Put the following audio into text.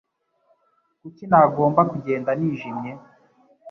Kuki nagomba kugenda nijimye